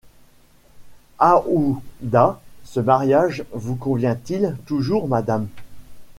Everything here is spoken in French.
Aouda: « Ce mariage vous convient-il toujours, madame?